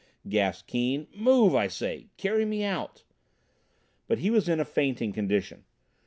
gasped Keane. "Move! I say. Carry me out." But he was in a fainting condition.